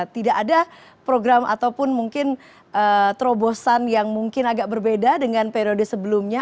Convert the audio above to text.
tidak ada program ataupun mungkin terobosan yang mungkin agak berbeda dengan periode sebelumnya